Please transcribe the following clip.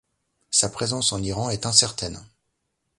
Sa présence en Iran est incertaine.